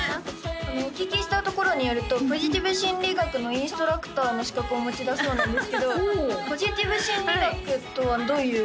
お聞きしたところによるとポジティブ心理学のインストラクターの資格をお持ちだそうなんですけどポジティブ心理学とはどういう？